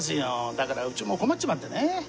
だからうちも困っちまってね。